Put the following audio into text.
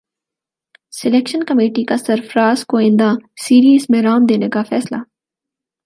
selection committee کا سرفراز کو ئندہ سیریز میں رام دینے کا فیصلہ